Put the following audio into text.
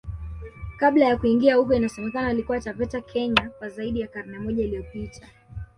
Kabla ya kuingia huko inasemekana walikuwa Taveta Kenya kwa zaidi ya karne moja iliyopita